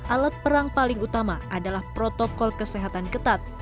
alat perang paling utama adalah protokol kesehatan ketat